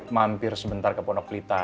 mampir sebentar ke pondok plita